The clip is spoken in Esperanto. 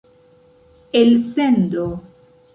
elsendo